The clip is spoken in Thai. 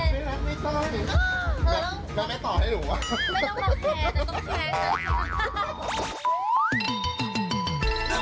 นี่ไม่ต่อให้หนูเหรอ